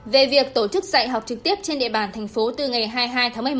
về việc tổ chức dạy học trực tiếp trên địa bàn thành phố từ ngày hai mươi hai tháng một mươi một